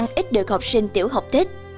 vẫn là món ăn ít được học sinh tiểu học thích